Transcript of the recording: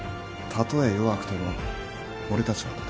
たとえ弱くても俺たちは戦いますよ。